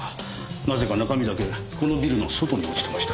なぜか中身だけこのビルの外に落ちてました。